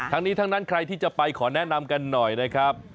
ทั้งนี้ทั้งนั้นใครที่จะไปขอแนะนำกันหน่อยนะครับ